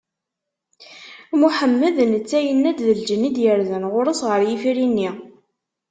Muḥemmed netta yenna d lǧenn i d-yerzan ɣur-s ɣer yifri-nni.